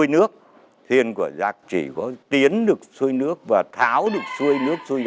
nhưng với niềm tự hào về truyền thống quê hương